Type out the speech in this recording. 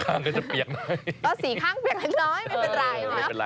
ก็สีข้างเปียกน้อยน้อยไม่เป็นไร